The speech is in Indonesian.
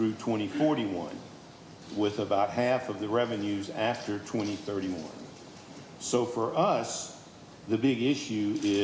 bahwa kita bisa membuat investasi ini